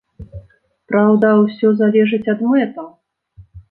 Праўда, усё залежыць ад мэтаў.